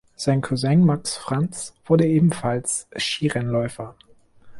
Sein Cousin Max Franz wurde ebenfalls Skirennläufer.